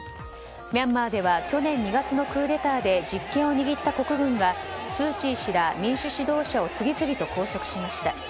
ミャンマーでは去年２月のクーデターで実権を握った国軍がスー・チー氏ら民主指導者を次々と拘束しました。